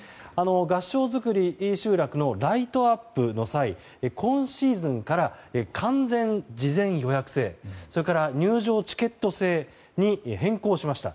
合掌造り集落のライトアップの際今シーズンから完全事前予約制それから入場チケット制に変更しました。